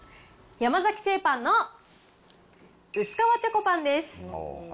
山崎製パンの薄皮チョコパンです。